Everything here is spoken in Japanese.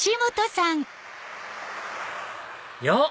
よっ！